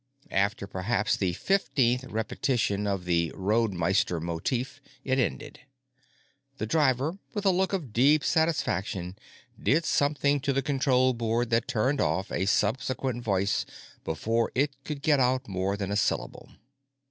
After perhaps the fifteenth repetition of the Roadmeister motif, it ended; the driver, with a look of deep satisfaction, did something to the control board that turned off a subsequent voice before it could get out more than a syllable.